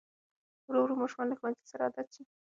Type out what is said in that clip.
ورو ورو ماشوم له ښوونځي سره عادت شي.